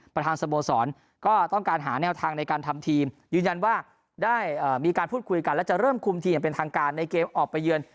ประธานสโมสรก็ต้องการหาแนวทางในการทำทีมยืนยันว่าได้มีการพูดคุยกันและจะเริ่มคุมทีมอย่างเป็นทางการในเกมออกไปเยือน